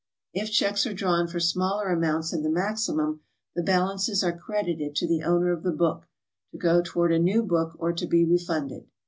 If checks are drawn for smaller amounts than the maximum, the balances are credited to the owner of the book, to go toward a new book or to be refunded.